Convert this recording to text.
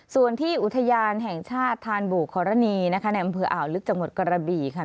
ส่วนที่อุทยานแห่งชาติธานบู่ครณีนะคะในอำเภออ่าวลึกจังหวัดกระบี่ค่ะ